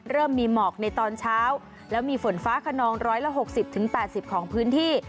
เริ่มมีหมอกในตอนเช้าแล้วมีฝนฟ้าขนอง๑๖๐๘๐ของพื้นที่